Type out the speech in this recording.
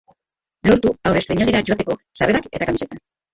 Lortu aurrestreinaldira joateko sarrerak eta kamiseta.